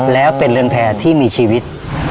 แล้วเป็นเรือนแพร่ที่มีชีวิต